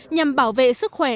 nhằm bảo vệ sức khỏe